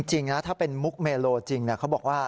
จริงนะถ้าเป็นมุกเมโลจริงเขาบอกว่า